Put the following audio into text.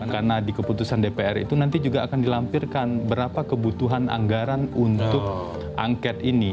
karena di keputusan dpr itu nanti juga akan dilampirkan berapa kebutuhan anggaran untuk angket ini